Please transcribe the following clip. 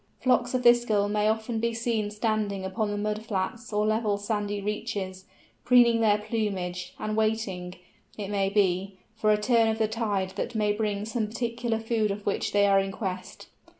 Flocks of this Gull may often be seen standing upon the mud flats or level sandy reaches, preening their plumage, and waiting, it may be, for a turn of the tide that may bring some particular food of which they are in quest.